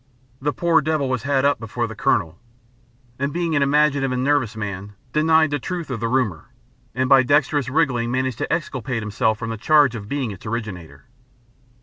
The poor devil was had up before the Colonel and being an imaginative and nervous man denied the truth of the rumour and by dexterous wriggling managed to exculpate himself from the charge of being its originator.